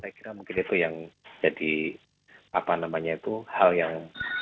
saya kira mungkin itu yang jadi apa namanya itu hal yang